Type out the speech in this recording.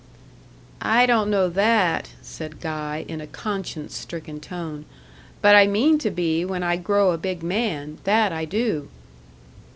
"I don't know that," said Guy, in a conscience stricken tone. "But I mean to be when I grow a big man that I do."